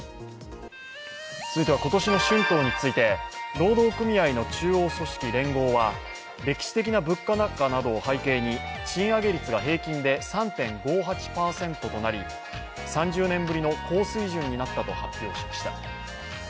続いては今年の春闘について労働組合の中央組織連合は歴史的な物価高などを背景に賃上げ率が平均で３．５８％となり３０年ぶりの高水準になったと発表しました。